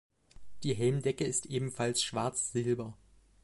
Die Helmdecke ist ebenfalls schwarz-silber.